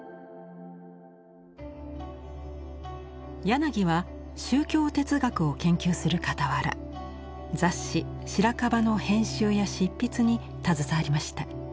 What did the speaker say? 柳は宗教哲学を研究するかたわら雑誌「白樺」の編集や執筆に携わりました。